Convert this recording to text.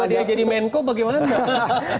kalau tiba tiba dia jadi menko bagaimana